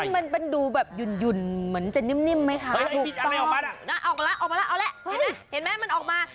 มันดูแบบหยุ่นเหมือนจะนิ่มไหมคะถูกต้องออกมาแล้วเห็นไหมมันออกมา